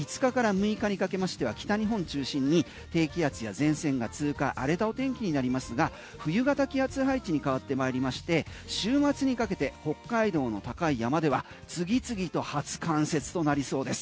そして５日から６日にかけましては北日本中心に低気圧や前線が通過荒れたお天気になりますが冬型の気圧配置に変わってまいりまして週末にかけて北海道の高い山では次々と初冠雪となりそうです。